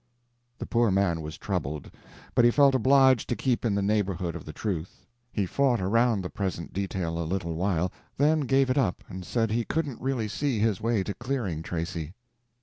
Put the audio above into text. The poor man was troubled, but he felt obliged to keep in the neighborhood of the truth. He fought around the present detail a little while, then gave it up and said he couldn't really see his way to clearing Tracy.